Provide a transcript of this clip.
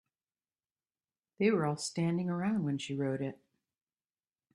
They were all standing around when she wrote it.